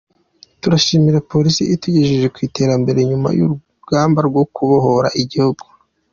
Turashimira Polisi itugejeje ku iterambere nyuma y’urugamba rwo kubohora igihugu.